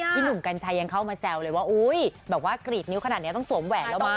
หนุ่มกัญชัยยังเข้ามาแซวเลยว่าอุ๊ยแบบว่ากรีดนิ้วขนาดนี้ต้องสวมแหวนแล้วมั